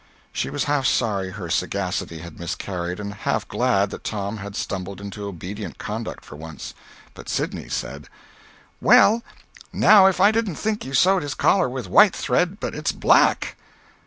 She was half sorry her sagacity had miscarried, and half glad that Tom had stumbled into obedient conduct for once. But Sidney said: "Well, now, if I didn't think you sewed his collar with white thread, but it's black."